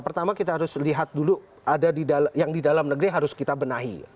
pertama kita harus lihat dulu yang di dalam negeri harus kita benahi